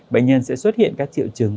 bệnh nhân sẽ xuất hiện các triệu chứng